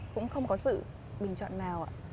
cũng không có sự bình chọn nào ạ